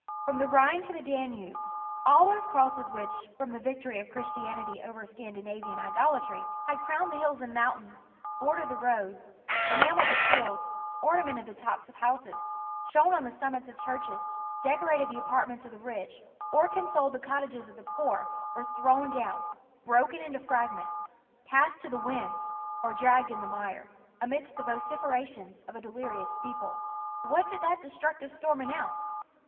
From the Rhine to the Danube, all those crosses which, from the victory of Christianity over Scandinavian idolatry, had crowned the 310 The Sign of the Cross hills and mountains, bordered the roads, enamelled the fields, ornamented the tops of houses, shone on the summits of churches, decorated the apartments of the rich, or con soled the cottages of the poor, were thrown down, broken into fragments, cast to the winds, or dragged in the mire, amidst the vociferations of a delirious people. What did that destructive storm announce?